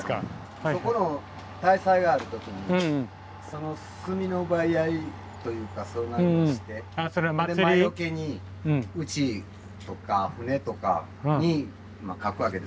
そこの大祭がある時にその墨の奪い合いというかそんなことして魔よけにうちとか船とかにかくわけですわ。